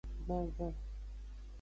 Gbongbon.